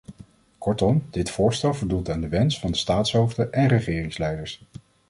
Kortom, dit voorstel voldoet aan de wens van de staatshoofden en regeringsleiders.